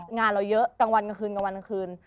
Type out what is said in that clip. งานเราเยอะกลางวันกลางคืน